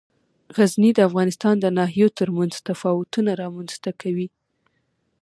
غزني د افغانستان د ناحیو ترمنځ تفاوتونه رامنځ ته کوي.